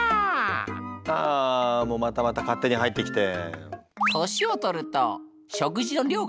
ああもうまたまた勝手に入ってきて。